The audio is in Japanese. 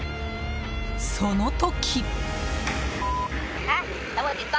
その時。